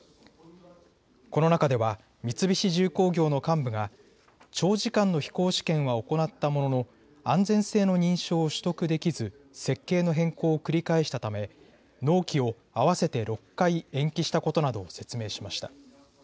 この中では三菱重工業の幹部が長時間の飛行試験は行ったものの安全性の認証を取得できず設計の変更を繰り返したため納期を合わせて６回延期したことなどを説明しました。